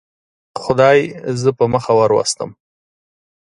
خدای زه په مخه وروستم.